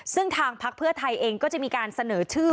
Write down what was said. ซึ่งทางพักเพื่อไทยเองก็จะมีการเสนอชื่อ